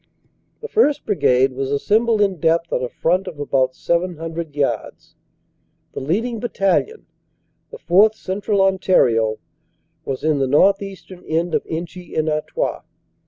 "The 1st. Brigade was assembled in depth on a front of about 700 yards. The leading Battalion, the 4th. Central On tario, was in the northeastern end of Inchy en Artois.